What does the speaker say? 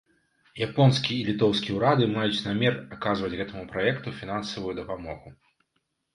Японскі і літоўскі ўрады маюць намер аказваць гэтаму праекту фінансавую дапамогу.